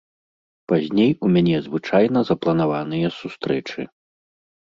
Пазней у мяне звычайна запланаваныя сустрэчы.